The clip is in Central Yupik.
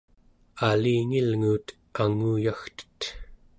alingilnguut anguyagtet